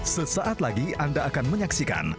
sesaat lagi anda akan menyaksikan